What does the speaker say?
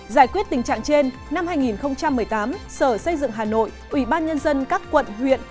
giải quyết tình trạng trên năm hai nghìn một mươi tám sở xây dựng hà nội ủy ban nhân dân các quận huyện